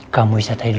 kamu istirahatkan dulu